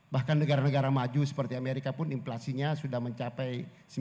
bahkan negara negara maju seperti amerika pun inflasinya sudah mencapai sembilan puluh